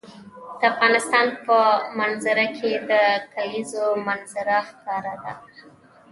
د افغانستان په منظره کې د کلیزو منظره ښکاره ده.